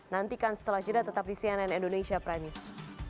nantikan setelah jeda tetap di cnn indonesia prime news